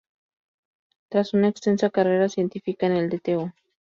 Tras una extensa carrera científica en el Dto.